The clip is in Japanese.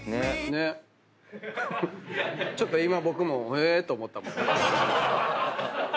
ちょっと今僕もへぇーと思ったもん。